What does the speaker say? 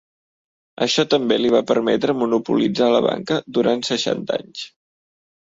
Això també li va permetre monopolitzar la banca durant seixanta anys.